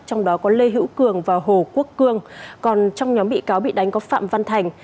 trong đó có lê hữu cường và hồ quốc cương còn trong nhóm bị cáo bị đánh có phạm văn thành